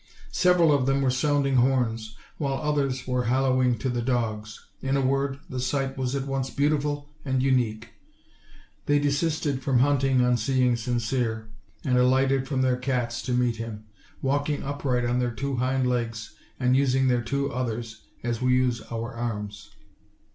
Several of them were sounding horns, while others were hallooing to the dogs: in a word, the sight was at once beautiful and unique. They de sisted from hunting on seeing Sincere, and alighted from their cats to meet him; walking upright on their two hind legs, and using their two others as we use our arms.